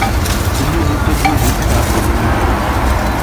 Ddnub idda-d yid-i si tɛebbuḍt n yemma.